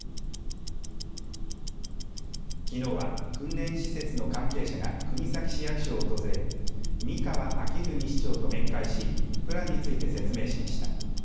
きのうは、訓練施設の関係者が国東市役所を訪れ三河明史市長と面会しプランについて説明しました。